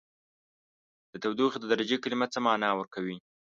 د تودوخې د درجې کلمه څه معنا ورکوي؟